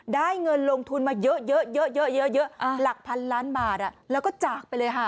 ได้เงินลงทุนมาเยอะเยอะหลักพันล้านบาทแล้วก็จากไปเลยค่ะ